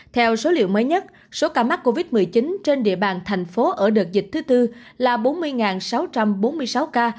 theo số liệu mới nhất số ca mắc covid một mươi chín trên địa bàn thành phố ở đợt dịch thứ tư là bốn mươi sáu trăm bốn mươi sáu ca